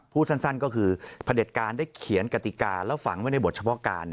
พูดสั้นก็คือพระเด็จการได้เขียนกติกาแล้วฝังไว้ในบทเฉพาะการ